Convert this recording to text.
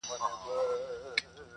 زما نه رور خفه دی